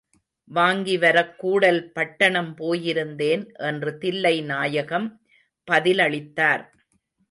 வாங்கிவரக் கூடல் பட்டணம் போயிருந்தேன் என்று தில்லை நாயகம் பதிலளித்தார்.